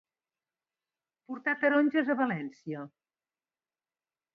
Portar taronges a València.